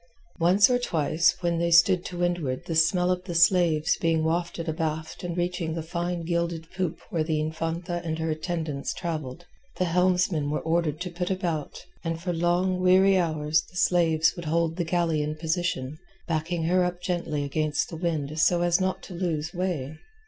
Once or twice when they stood to windward the smell of the slaves being wafted abaft and reaching the fine gilded poop where the Infanta and her attendants travelled, the helmsmen were ordered to put about, and for long weary hours the slaves would hold the galley in position, backing her up gently against the wind so as not to lose way.